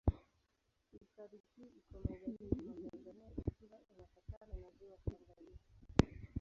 Hifadhi hii iko magharibi mwa Tanzania ikiwa inapakana na Ziwa Tanganyika.